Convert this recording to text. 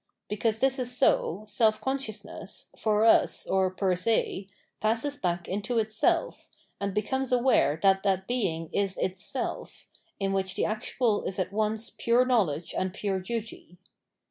Because this is so, self consciousness, for us or per se, passes back into itself, and becomes aware that that being is its self, in which the actual is at once pure knowledge and pure duty.